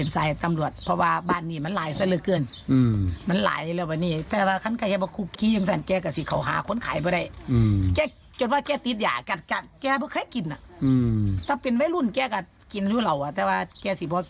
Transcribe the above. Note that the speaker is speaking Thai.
ซิบอกติดหนังถั่วซีลจนกว่าผู้ใดที่บอกว่าแก๊งติดหยาบ้างบอเซียนะบอเซีย